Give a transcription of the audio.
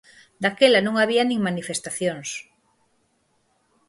Daquela non había nin manifestacións.